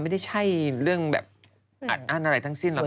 ไม่ใช่เรื่องแบบอัดอั้นอะไรทั้งสิ้นเลย